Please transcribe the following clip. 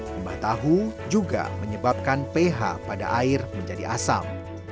limbah tahu juga menyebabkan ph pada air menjadi asam